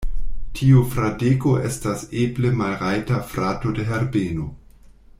Tiu Fradeko estas eble malrajta frato de Herbeno.